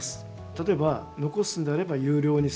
例えば残すのであれば有料にする。